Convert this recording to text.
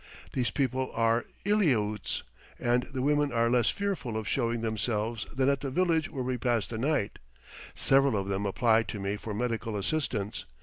These people are Eliautes, and the women are less fearful of showing themselves than at the village where we passed the night. Several of them apply to me for medical assistance.